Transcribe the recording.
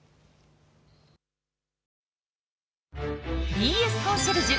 「ＢＳコンシェルジュ」